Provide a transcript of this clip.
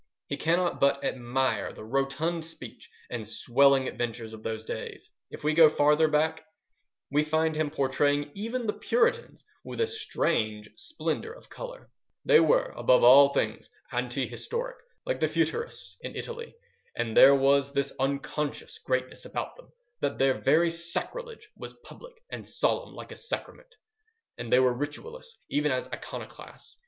He cannot but admire the rotund speech and swelling adventures of those days. If we go farther back, we find him portraying even the Puritans with a strange splendour of colour:— They were, above all things, anti historic, like the Futurists in Italy; and there was this unconscious greatness about them, that their very sacrilege was public and solemn, like a sacrament; and they were ritualists even as iconoclasts.